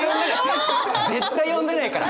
絶対呼んでないから！